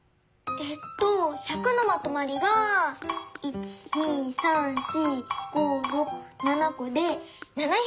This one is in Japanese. えっと１００のまとまりが１２３４５６７こで７００！